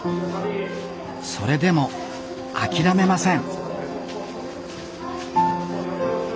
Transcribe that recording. それでも諦めません